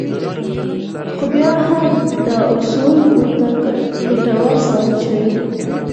خو بيا هم دا اصول ورته ګټور ثابت شوي وو.